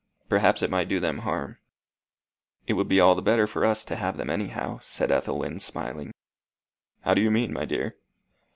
"Perhaps it might do them harm." "It would be all the better for us to have them anyhow," said Ethelwyn, smiling. "How do you mean, my dear?"